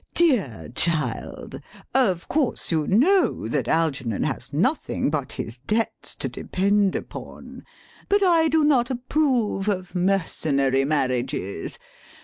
] Dear child, of course you know that Algernon has nothing but his debts to depend upon. But I do not approve of mercenary marriages.